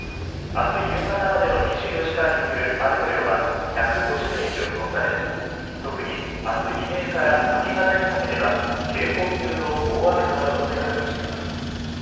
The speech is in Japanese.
あす夕方までの２４時間に降る雨の量は１５０ミリと予想され特にあす未明から明け方にかけては警報級の大雨となるおそれがあるとしています。